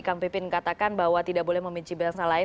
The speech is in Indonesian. kampepin katakan bahwa tidak boleh membenci bangsa lain